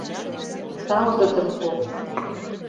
Талгыдым пу...